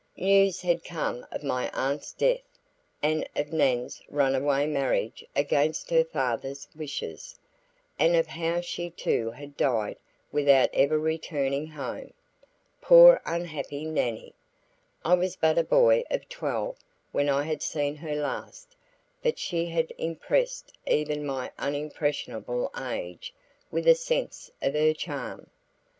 News had come of my aunt's death, and of Nan's runaway marriage against her father's wishes, and of how she too had died without ever returning home. Poor unhappy Nannie! I was but a boy of twelve when I had seen her last, but she had impressed even my unimpressionable age with a sense of her charm.